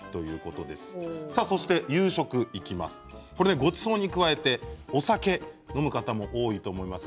ごちそうに加えてお酒飲む方いらっしゃると思います。